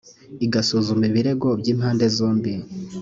igasuzuma ibirego by impande zombi